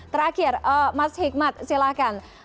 terakhir mas hikmat silahkan